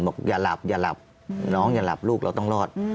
อย่าหลับอย่าหลับน้องอย่าหลับลูกเราต้องรอด